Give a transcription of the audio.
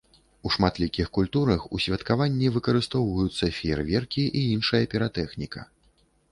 У шматлікіх культурах у святкаванні выкарыстоўваюцца феерверкі і іншая піратэхніка.